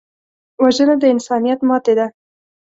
وژنه د انسانیت ماتې ده